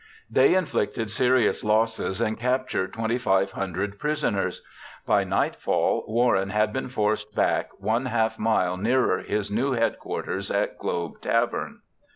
They inflicted serious losses and captured 2,500 prisoners. By nightfall, Warren had been forced back one half mile nearer his new headquarters at Globe Tavern.